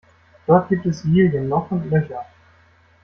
Dort gibt es Lilien noch und nöcher.